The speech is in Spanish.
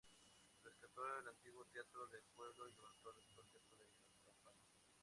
Rescató el antiguo Teatro del Pueblo y levantó el actual Teatro de la Campana.